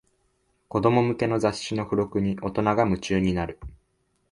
子供向けの雑誌の付録に大人が夢中になる